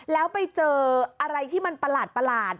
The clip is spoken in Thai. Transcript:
แล้วไปเจออะไรที่มันประหลาด